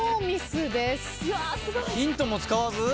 ヒントも使わず？